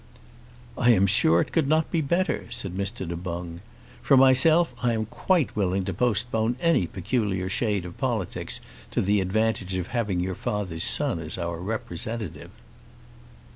"I am sure it could not be in better," said Mr. Du Boung. "For myself I am quite willing to postpone any peculiar shade of politics to the advantage of having your father's son as our representative."